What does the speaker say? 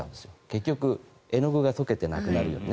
結局絵の具が溶けてなくなるように。